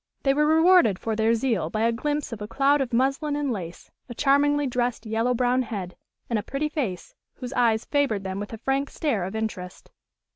They were rewarded for their zeal by a glimpse of a cloud of muslin and lace, a charmingly dressed yellow brown head, and a pretty face, whose eyes favored them with a frank stare of interest.